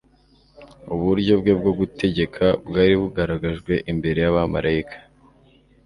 Uburyo bwe bwo gutegeka bwari bugaragajwe imbere y'abamarayika